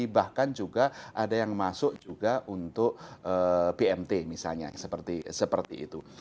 bahkan juga ada yang masuk juga untuk bmt misalnya seperti itu